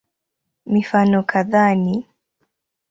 Mifano kadhaa ni